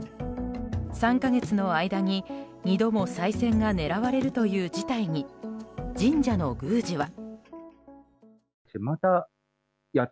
３か月の間に２度もさい銭が狙われるという事態に神社の宮司は。